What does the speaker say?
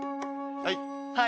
はい。